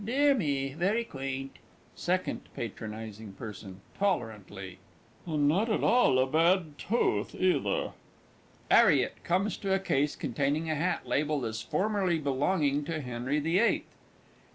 Dear me! very quaint. SECOND P. P. (tolerantly). And not at all a bad tooth, either. 'ARRIET (comes to a case containing a hat labelled as formerly belonging to Henry the Eighth).